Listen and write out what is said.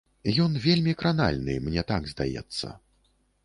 Ён вельмі кранальны, мне так здаецца.